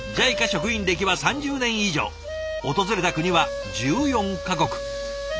ＪＩＣＡ職員歴は３０年以上訪れた国は１４か国。